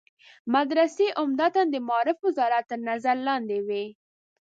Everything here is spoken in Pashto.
مدرسې عمدتاً د معارف وزارت تر نظر لاندې وي.